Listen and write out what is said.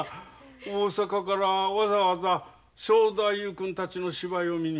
大阪からわざわざ正太夫君たちの芝居を見に？